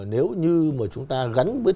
nếu như chúng ta gắn với